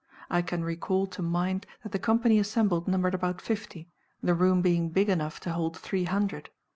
I can recall to mind that the company assembled numbered about fifty, the room being big enough to hold three hundred.